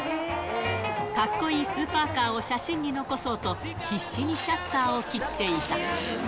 かっこいいスーパーカーを写真に残そうと、必死にシャッターを切っていた。